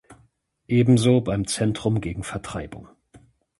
Ebenso beim Zentrum gegen Vertreibungen.